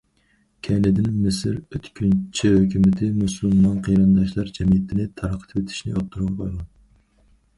كەينىدىن مىسىر ئۆتكۈنچى ھۆكۈمىتى مۇسۇلمان قېرىنداشلار جەمئىيىتىنى تارقىتىۋېتىشنى ئوتتۇرىغا قويغان.